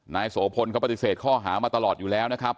โสพลเขาปฏิเสธข้อหามาตลอดอยู่แล้วนะครับ